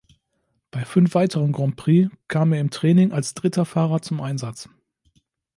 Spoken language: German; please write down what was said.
Bei fünf weiteren Grands Prix kam er im Training als dritter Fahrer zum Einsatz.